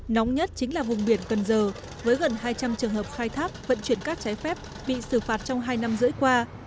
nóng nhất chính là vùng biển cần giờ với gần hai trăm linh trường hợp khai thác vận chuyển cát trái phép bị xử phạt trong hai năm rưỡi qua